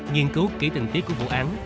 nhiên cứu kỹ tình tiết của vụ án